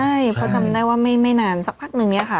ใช่เพราะจำได้ว่าไม่นานสักพักนึงเนี่ยค่ะ